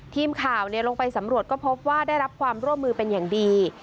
ทีมข่าวลงไปสำรวจก็พบว่าได้รับความร่วมมือเป็นอย่างดี